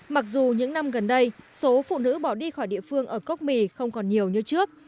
mặc dù những năm gần đây số phụ nữ bỏ đi khỏi địa phương ở cốc mì không còn nhiều như trước